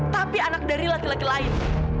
tapi anak dari laki laki lain